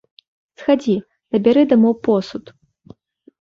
Схадзі, набяры дамоў посуд.